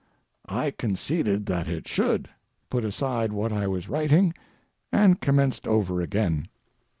I conceded that it should, put aside what I was writing, and commenced over again.